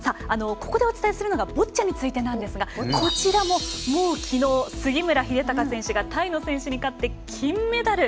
ここでお伝えするのがボッチャについてなんですがこちらもきのう杉村英孝選手がタイの選手に勝って金メダル。